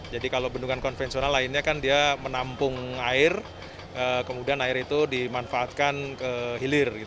jadi kalau bendungan konvensional lainnya kan dia menampung air kemudian air itu dimanfaatkan ke hilir